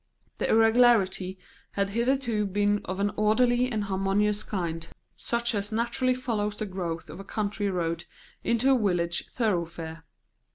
The irregularity had hitherto been of an orderly and harmonious kind, such as naturally follows the growth of a country road into a village thoroughfare.